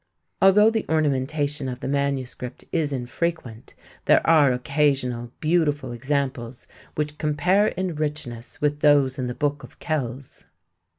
Although the ornamentation of the manuscript is infrequent, there are occasional beautiful examples which compare in richness with those in the Book of Kells.